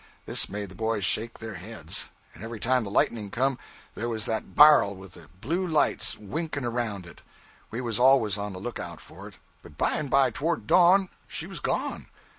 This made the boys shake their heads. And every time the lightning come, there was that bar'l with the blue lights winking around it. We was always on the look out for it. But by and by, towards dawn, she was gone.